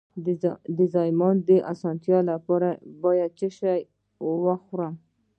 د زایمان د اسانتیا لپاره باید څه شی وخورم؟